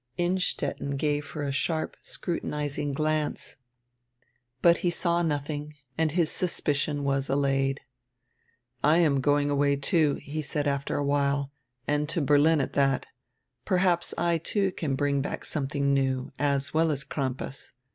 Innstetten gave her a sharp scrutinizing glance, but he saw nothing, and his suspicion was allayed. "I am going away, too," he said after a while, "and to Berlin at that Perhaps I, too, can bring back something new, as well as Crampas.